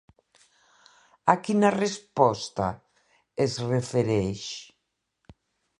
A quina resposta es refereix?